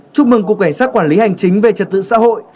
chúc mừng cục cảnh sát quản lý hành chính về trật tự xã hội